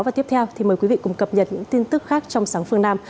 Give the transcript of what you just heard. và tiếp theo thì mời quý vị cùng cập nhật những tin tức khác trong sáng phương nam